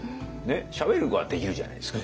しゃべることはできるじゃないですか。